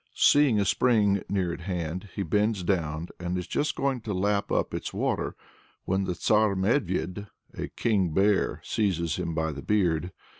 Seeing a spring near at hand, he bends down and is just going to lap up its water, when the Tsar Medvéd, a King Bear, seizes him by the beard.